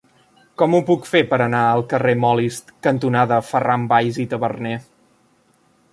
Com ho puc fer per anar al carrer Molist cantonada Ferran Valls i Taberner?